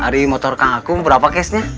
hari motor kakak kum berapa kesnya